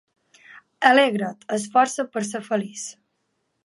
Alegra't. Esforça't per ser feliç.